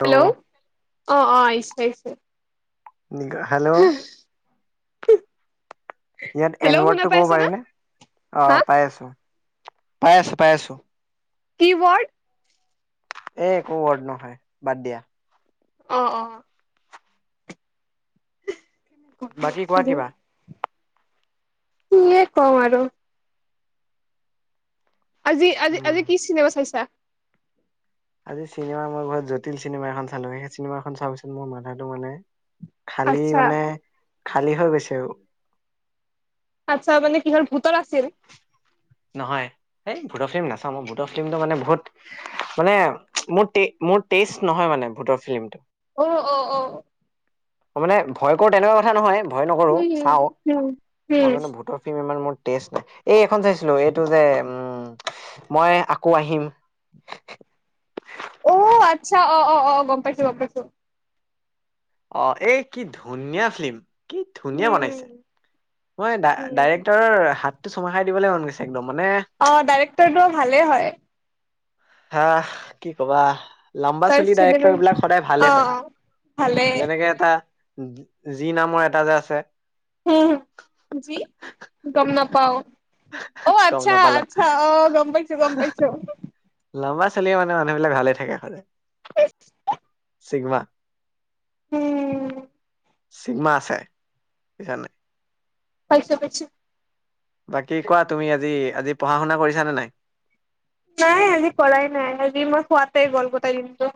Hello অ' অ' আহিছে, আহিছে। হেল্ল' ইয়াত হেল্ল' শুনা এনৱাৰডটো ক'ব পাইছে না পাৰিনে হা অ' পাই আছো পাই আছো পাই আছো কিৱৰ্ড এ একো ৱৰ্ড নহয় বাদ দিয়া অ' অ', বাকী কোৱা কিবা। কিয়ে কওঁ আৰু আজি আজি উম আজি কি চিনেমা চাইছা? আজি চিনেমা মই ঘৰত জটিল চিনেমা এখন চালোঁ। সেই চিনেমা খন চোৱাৰ পিছত মোৰ মাথাটো মানে খালী আচ্ছা মানে খালী হৈ গৈছে আৰু আচ্ছা মানে কিহৰ ভূতৰ আছিল? নহয়, এই ভূটৰ ফিল্ম নাচাওঁ। মই ভূটৰ ফিল্মটো মানে বহুত মানে মোৰ টে মোৰ টেষ্ট নহয় মানে ভূতৰ ফিল্মটো অ অ অ অ মানে ভয় কৰো তেনেকুৱা কথা নহয় ভয় নকৰো উম চাও উম মই উম মানো ভোতৰ ফিল্ম ইমান মোৰ টেষ্ট এই এইখন চাইছিলো এইটো যে উম মই আকৌ আহিম অ আচ্ছা অ অ অ গম পাইছো গম পাইছো অ এই কি ধুনীয়া ফিল্ম কি ধুনীয়া উম বনাইছে মই উম ডাইৰেক্টৰৰ হাতটো চুমা খাই দিবলৈ মন গৈছে একদম মানে অ ডাইৰেক্টৰটো ভালে হয় হা কি কবা লাম্বা তাৰ চলি চিনেমা ডাইৰেক্টৰ বিলাক সদায় ভালে অ হয় ভালে যেনেকে এটা জি নামৰ এটা যে আছে জি গম নাপাও অ গম আচ্ছা নাপালা। আচ্ছা অহ গম পাইছো গম পাইছো লম্বা ছালীয়ে মানে মানুহবিলাক ভাল থাকে সায় চিগমা উম চিগমা আছে বুজিচান নাই [unintelligible] বাকী কোৱা তুমি আজি আজি পঢ়া শুনা কৰিছানে নাই নাই আজি কৰাই নাই আজি মই শোৱাতে গল গোটেই দিনটো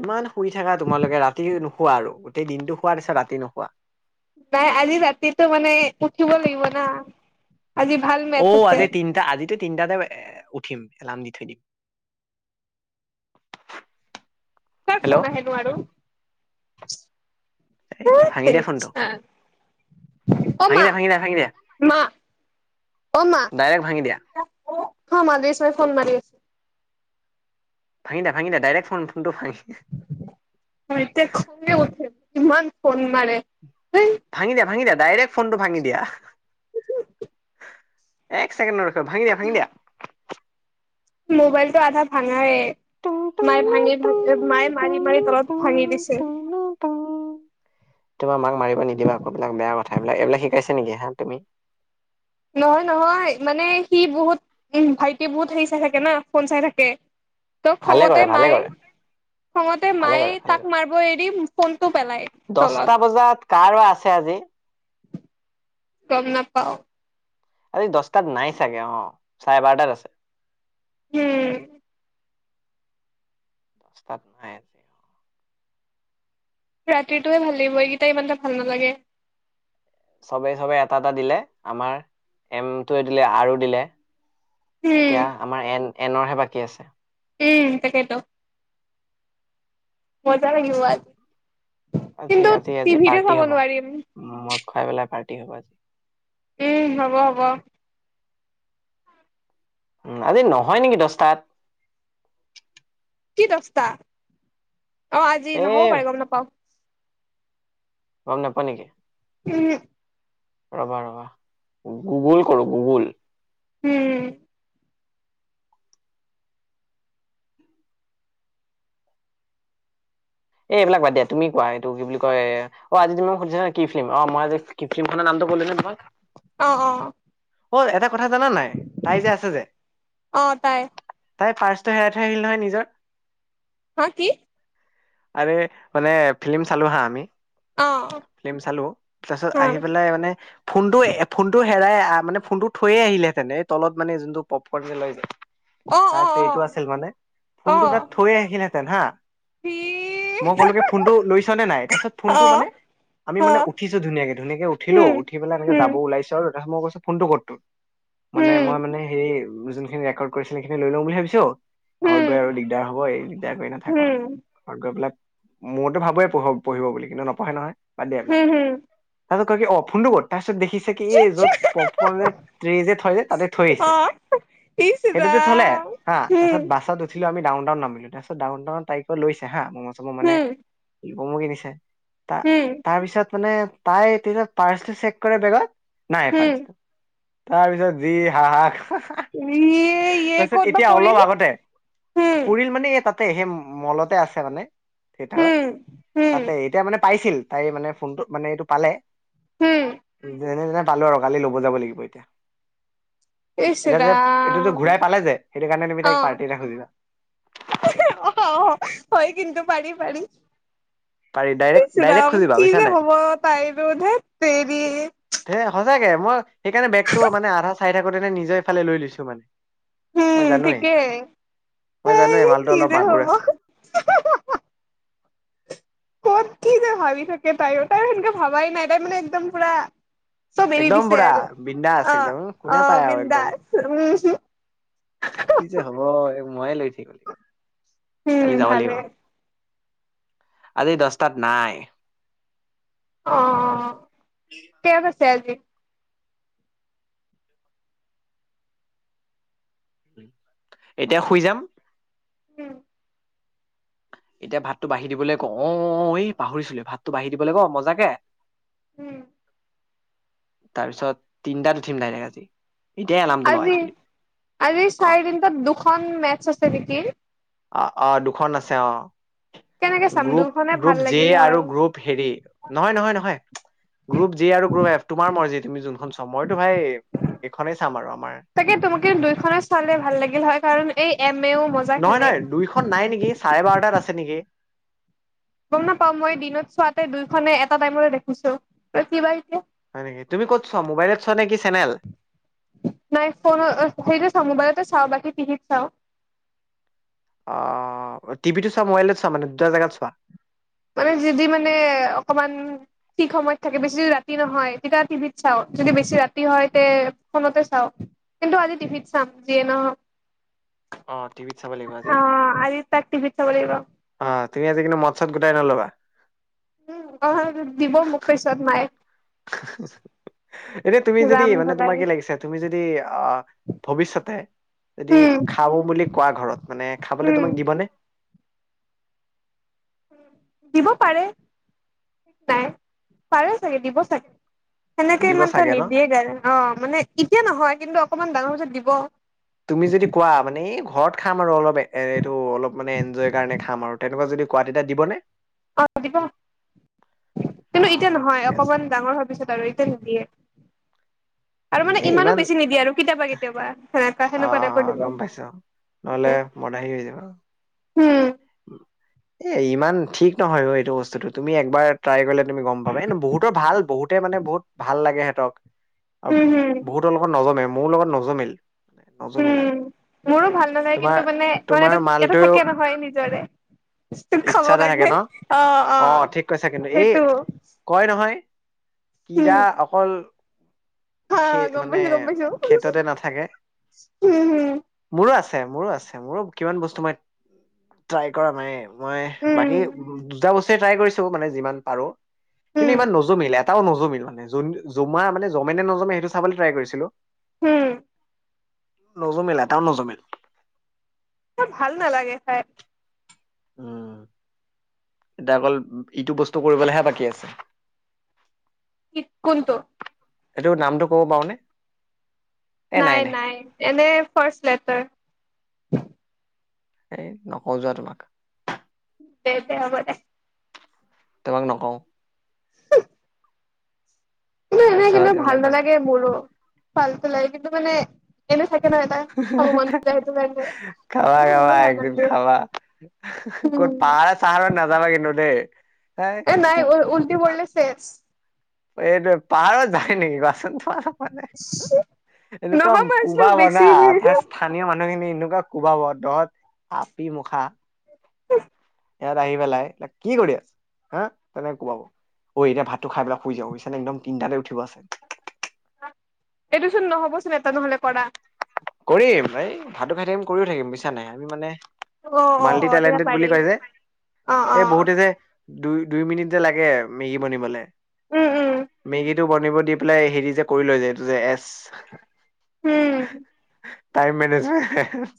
ইমান শুই থাকা তোমালোকে ৰাতি নোশোৱা আৰু গোটেই দিনটো শোৱাৰ নিচা ৰাতি নোশোৱা নাই আজি ৰাতিটো মানে উঠিব লাগিব না আজি ভাল অ মেচ আছে আজি তিনটা আজিতো তিনিটাতে এ উঠিম এলাৰ্ম দি থৈ দি কাৰ ফোন আহেনো আৰু এই ধেৎ ভাঙি দিয়া ফোনটো তেৰিকা অ ভাঙি মা দিয়া ভাঙি দিয়া ভাঙি দিয়া মা ডাইৰেক্ট ভাঙি দিয়া [unintelligible] ভাঙি দে ভাঙি দে দাইৰেক্ ফোনটো ভাঙি ম, এতিয়া খঙে উঠে ইমান ফোন মাৰে। ভাঙি দিয়া ভাঙি দিয়া ডাইৰেক্ট ফোনটো ভাঙি দিয়াহ। এক ছেকেণ্ড নৰখ ভাঙি দিয়া ভাঙি দিয়া। মোবাইলটো আধা ভাঙায়ে। মায়ে ভাঙি ভা মায়ে মাৰি মাৰি তলত ভাঙি দিছে। তোমাৰ মাক মাৰিব নিদিবা আক বিলাক বেয়া কথা এইবিলাক এইবিলাক শিকাইছে নেকি হা তুমি নহয় নহয় মানে সি বহুত উমহ, ভাইটি বহুত সেই চাই থাকে না, ফোন চাই থাকে। ত' ভালে খঙতে কৰে ভালে মায়, কৰে খঙতে ভালে মায় তাক মাৰব' এৰি ফোন দছটা বজাত কাৰৱা আছে আজি। গম নাপাও। আজি দছটাত নাই চাগে অ, চাৰে বাৰটাত আছে। হুম। দছটাত নাই আজি। ৰাতিটোয়ে ভাল লাগিব এইকেইটা ইমানটা ভাল নালাগে। চবে চবে এটা এটা দিলে আমাৰ এমটোৱে দিলে আৰু দিলে। উম এতিয়া আমাৰ এন এনৰহে বাকী আছে। উম, তাকে ত। মজা লাগিব আজি। আজি, কিন্তু আজি, আজি টিভিতে পাৰ্টি চাব হ'ব। নোৱাৰিম মদ খুৱাই পেলাই পাৰ্টি হ'ব আজি। উম, হ'ব হ'ব। উম, আজি নহয় নেকি দছটাত। কি দছটা? অ আজি এ নহ'ব পাৰে গম নাপাওঁ। গম নাপা নেকি? উম, হ। ৰবা ৰবা। গুগুল কৰো গুগুল। হম। এ এইবিলাক বাদ দিয়া তুমি কোৱা এইটো কি বুলি কয়, অ আজি তুমি মোক সুধিছা কি ফিল্ম অ মই আজি কি ফিল্মখনৰ নাম [unintelligible] অ', অ'। অই এটা কথা জানা নাই তাই যে আছে যে অ তাই তাই কাৰ্ছটো হেৰাই থৈ আহিল নহয় নিজৰ। হা কি? আৰে মানে ফিল্ম চালো হা আমি। অ ফিল্ম চালো। তাৰছত অ আহি পেলাই মানে ফোনটোয়ে ফোনটোয়ে হেৰাই আ, মানে ফোনটো থৈয়ে আহিলেহেতেনে এই তলত মানে যোনটো পপকৰ্ন যে লৈ যে অ তাৰ অ ট্ৰটো অ আছিল মানে ফোনটো তাত থৈ আহিনহেতেন হা মই ক'লো কে ফোনটো লৈছানে নাই তাৰপিছত ফোনটো মানে আমি মান উঠিছোঁ ধুনীয়াকে ধুনীয়াকে উঠিলো উঠি পেলে এনেকে যাব ওলাইছো আৰু তাস মই কৈছো ফোনটো কৰ তোৰ। মানে মই মানে হেই [unintelligible] যোনখিন ৰেকৰ্ড কৰিছিল সেইসিনি লৈ ল বুলি ভাবিছো ঘৰত গৈ আৰু দিগদাৰ হ'ব এই দিগদাৰ কৰি নাথাকো আৰু। ত, বিলাক মূৰটো ভাবে পঢ়-পঢ়িব বুলি কিন্তু নপঢ়ে নহয়। হম, হম। তাছত কয় কি অ ফোনটো ক? ছত দেখিছা কে এই য'ত পপকনে ত্ৰেজে থৈ যে তাতে থৈ আহিছে। সেইটোতো থ'লে হা' তাৰপিছত বাছত উঠিলোঁ আমি ডাউনটাউন নামিলো তাৰপিছত ডাউনটাউনৰ তাৰিকত লৈছে হা মম' চম' মানে মম' কিনিছে। তা তাৰপিছত মানে তেটা পাৰ্চটো চেক কৰে বেগত নাই পাৰ্চটো। তাৰপিছত যি হাহাস তাৰপিছত ক'ত বা এতিয়া অলপ পৰিল আগতে, হম পুৰিল মানে এই তাত তাতে, সে মলতে আছে মানে থিয়েটাৰত, হম হম তাতে এতিয়া মানে পাইছিল, তাই মানে ফোনটো মানে এইটো পালে, হম যেনেতেনে। পালোঁ আৰ, কালি ল'ব যাব লাগিব এতিয়া। ইচ এতিয়া যে এইটো যে ৰাম ঘূৰাই পালে যে, সেইটো কাৰণে তুমি তাইক পাৰ্টি এটা খুজিবা। [unintelligible] অহ অ হয় কিন্তু পাৰ্টি পাৰ্টি। পাৰি ডাইৰেক্ট ইছ ডাইৰেক্ট ৰাম! খুজিবা কি বুজিছা যে নাই হ'ব, তাই ধেৎ তেৰি! এই সঁচাকে মই সেইকাৰণে বেগটো মানে আধা চাই থাকোঁতে নিজৰ এই ফালে লৈ লৈছোঁ মানে। মই উম, জানোৱেই ঠিকেই। মই হেই জানোঁৱে মালটো কি অলপ যে মাগুৰ হ'ব আছে। ক'ত কি যে ভাবি থাকে তায়ো? তায়ো সেনেকে ভাবাই নাই, তাই মানে একদম পূৰা। চ'ব এৰি একদম দিছে পুৰা আৰু বিন্দাছ অ একদম অ কোনে পায় আৰু একদম বিন্দাস! উম! হু। কি যে হব এই ময়ে লৈ থাকিব লাগিব, উম কালি যাব লাগিব। ভালে আজি দছটাত নাই। অ! কিয়ত আছে আজি? এতিয়া শুই যাম। উম এতিয়া ভাতটো বাঢ়ি দিবলৈ কওঁ! অঁ এই পাহৰিছিলো, ভাতটো বাঢ়ি দিবলৈ কওঁ, মজাকে। উম! তাৰপিছত, তিনটাত উঠিম ডাইৰেক্ট আজি। এতিয়াই এলাৰ্মটো লগাই আজি থৈ দিম আজি অ চাৰে তিনটাত দুখন মেচ আছে নেকি? অঁ অঁ! দুখন আছে অঁ! কেনেকে চাম গ্ৰুপ, দুইখনে ভাল গ্ৰুপ জে লাগিল হয় আৰু গ্ৰুপ হেৰি নহয় নহয় নহয়। গ্ৰুপ জে আৰু গ্ৰুপ এফ তোমাৰ মৰজি তুমি জোনখন চোৱা। মইতো ভাই, এইখনেই চাম আৰু আমাৰ! তাকে তোমাকে দুইখনে চালে ভাল লাগিল হয় কাৰণ এই এম এও মজা নহয়, খেলে নহয়। দুইখন নাই নেকি চাৰে বাৰটাত আছে নেকি? গ'ম নাপাওঁ। মই দিনত চোৱাতে দুইখনে এটা টাইমতে দেখিছোঁ। কি বা এতিয়া? হয় নেকি? তুমি ক'ত চোৱা, মোবাইলত চোৱা নেকি, চেনেল? নাই ফোন! সেইটো চাওঁ, মোবাইলতে চাওঁ, বাকী টিভিত চাওঁ। অ অ! টিভিটো চোৱা, মোবাইলতো চোৱা, মানে দুটা জেগাত চোৱা। মানে যিৰ দি মানে অকণমান। ঠিক সময়ত থাকে! বেছি যদি ৰাতি নহয়, তেতিয়া টিভিত চাওঁ, যদি বেছি ৰাতি হয় তে ফোনতে চাওঁ। কিন্তু, আজি টিভিত চাম যিয়ে নহওঁক। অঁ! টিভিত চাব লাগিব আজি। তাত টিভিত চাব লাগিব। অ' ঠিকেই আছে, কিন্তু মদ ছদ গোটাই নল'বা। অঁ অঁ! দিব মোক পিছত মায়ে। [unintelligible] এতিয়া তুমি যদি, ৰাম মানে ধলাই তোমাৰ কি লাগিছে? তুমি যদি আঁ ভৱিষ্যতে যদি উম খাওঁ বুলি কোৱা ঘৰত, মানে খাবলৈ উম তোমাক দিবনে? দিব পাৰে, নাই, পাৰে চাগে, দিব চাগে। সেনেকে দিব ইমানটো চাগে ন নিদিয়ে বাৰু। অ' মানে এতিয়া নহয়, কিন্তু অকণমান ডাঙৰ হোৱাৰ পিছত দিব। তুমি যদি কোৱা, মানে এই ঘৰত খাম আৰু অলপ এ, এইটো অলপ মানে এন্জয়ৰ কাৰণে খাম আৰু তেনেকুৱা যদি। কোৱাতাতে দিবনে? অ' দিব। কিন্তু এতিয়া অ' নহয়, ঠিকে আছে। অকণমান ডাঙৰ হোৱাৰ পিছত আৰু এতিয়া উম, নিদিয়ে। আৰু মানে এই ইমানো ইমান বেছি নিদিয়ে আৰু কেতিয়াবা কেতিয়াবা সে। অ' অ' গ'ম পাইছোঁ, নহ'লে মদাহি হৈ যাবা। উম। [unintelligible] এই ইমান ঠিক নহয়, এইটো বস্তুটো তুমি একবাৰ ট্ৰাই কৰিলে, তুমি গ'ম পাবা এ বহুতৰ ভাল বহুতে মানে বহুত ভাল লাগে সিহঁতক আৰু উম হম বহুতৰ লগত নজমে মোৰো লগত নজমিল। নজমিল আৰু উম মোৰো ভাল নালাগে তোমাৰ কিন্তু মানে মান তোমাৰ এটা মালটো থাকে নহয় নিজৰে তোক খাব ইচ্ছা এটা থাকে কাৰণে ন? অ অ ঠিক কৈছা কিন্তু এই সেইটো। কয় নহয় কিৰা উম অকল হা খে গম মানে পাইছো গম পাইছো খেততে নাথাকে উম হম মোৰো আছ মোৰ আছে মোৰ কিমান বস্তু ট্ৰাই কৰা নাই মই বাকী উম দুটা বস্তুৱে ট্ৰাই কৰিছো মানে যিমান পাৰো কিন্তু উম ইমান নজমিলে এটাও নজমিল মানে জোম জোমা মানে জমে নে নজমে সেইটো চাবলে ট্ৰাই কৰিছিলো হোম নজমিল এটা নজুমিল মোৰ ভাল নালাগে খাই উম এতিয়া অকল ইটো বস্তু কৰিবলৈহে বাকী আছে ইত কোনটো এইটো নামটো ক'ব পাৰোনে নাই নাই এনে ফ্ৰাষ্ট লেটাৰ এই নকওঁ যোৱা তোমাক তেন্তে হব দে তোমাক নকওঁ কিন্তু এনেই কিন্তু তাৰপিছত ভাল এইবিলাক বাদ নালাগে দিয়া মোৰো ফাল্টু লাগে কিন্তু মানে এনে থাকে ন এটা খাব মন যায় সেইটো কাৰণে খাবা এনে মোৰো খাবা ভাল একদিন নালাগে খাবা ক'ত উম পাহাৰে চাহাৰে নাজাবা কিন্তু দেই হেই এ নাই উ উলটি পৰিলে চেচ এইটো পাহাৰত যায় নেকি কোৱাচোন তোমাৰ মানে এনেকুৱা নহয় মাৰিছিলো কোবাব বেছি না স্থানীয় মানুহ খিনি এনেকুৱা কোবাব দহত আপি মুখা উম ইয়াত আহি পেলাই কি কৰি আছ হা? তেনেকে কোবাব। অই, এতিয়া ভাতটো খাই পেলাই শুই যাওঁ বুইছানে একদম তিনিটাতে উঠিব আছে। একোচোন নহ'বচোন এটা নহ'লে কৰা। কৰিম ভাই, ভাতো খাই থাকিম কৰিও থাকিম বুইছা নে আমি মানে অ অ মাল্টি অ তেতিয়া টেলেণ্টেড পাৰি বুলি কয় যে, অ অ এই বহুতে যে দুই, দুই মিনিট যে, লাগে মেগী বনিবলে উম উম মেগীটো বনিব দি পেলাই হেৰি যে, কৰি লৈ যায় এইটো যে, এছ উম, টাইম মেনেজ [unintelligible]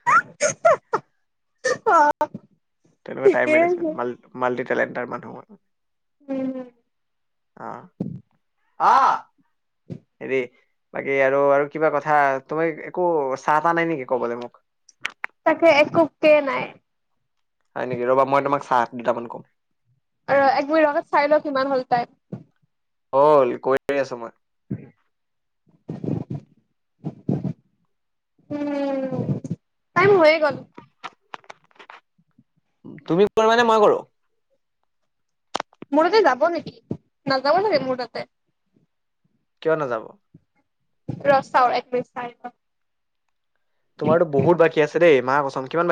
[unintelligible] তেনেকোৱা টাইম ঠিকেই আছে মেনেজমেণ্ট, মালটিটেলেণ্টাৰ মানুহ মই। উম, অ [unintelligible] হেৰি, বাকী আৰু-আৰু কিবা কথা তুমি, একো চাহ তাহ নাই নেকি ক'বলে মোক? তাকে একোকে নাই। হয় নেকি, ৰ'বা মই তোমাক চাহ দুটামান কম। এ-ৰ এক মিনিট ৰ' চাই লওঁ কিমান হ'ল টাইম। হ'ল কৈ আছোঁ মই উম, টাইম হৈয়ে গ'ল। তুমি [unintelligible] মই কৰোঁ। মোৰ তাতে যাব নেকি, নাযাব চাগে মোৰ তাতে? কিয় নাযাব? ৰ' চাওঁ এক মিনিট চাই লওঁ। তোমাৰতো বহুত বাকী আছে দেই মা কচোন কিমান